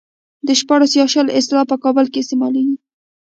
د شپاړس يا شل اصطلاح په کابل کې استعمالېږي.